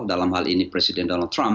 dalam hal ini presiden donald trump